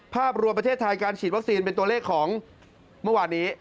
ภาพรวมประเทศไทยการฉีดวัคซีนเป็นตัวเลขของเมื่อวานนี้